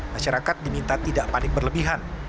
masyarakat diminta tidak panik berlebihan